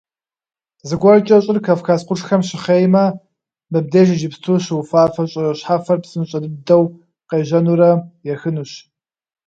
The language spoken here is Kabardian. Зыгуэркӏэ щӏыр Кавказ къуршхэм щыхъеймэ, мыбдеж иджыпсту щыуфафэ щӏы щхьэфэр псынщӏэ дыдэу къежьэнурэ ехынущ.